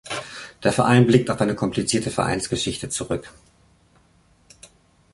Der Verein blickt auf eine komplizierte Vereinsgeschichte zurück.